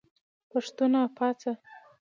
پښتونه پاڅه !